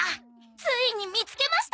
ついに見つけました！